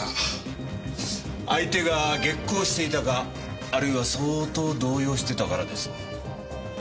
相手が激高していたかあるいは相当動揺してたからです。